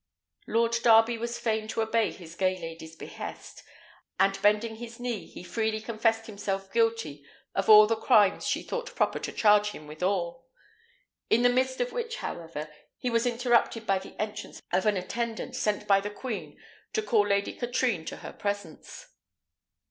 Lord Darby was fain to obey his gay lady's behest, and bending his knee, he freely confessed himself guilty of all the crimes she thought proper to charge him withal; in the midst of which, however, he was interrupted by the entrance of an attendant sent by the queen to call Lady Katrine to her presence.